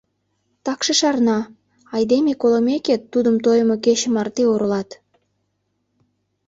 Такше шарна: айдеме колымеке, тудым тойымо кече марте оролат.